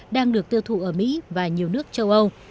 đang được tiêu thụ ở mỹ và nhiều nước châu âu